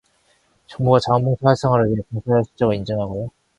정부가 자원봉사 활성화를 위해 봉사자의 실적을 인증하고요.